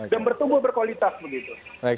dan bertumbuh berkualitas